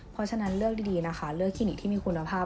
เพราะฉะนั้นเลือกดีนะคะเลือกคลินิกที่มีคุณภาพ